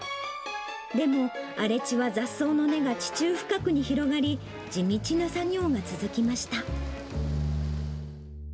でも、荒れ地は雑草の根が地中深くに広がり、地道な作業が続きました。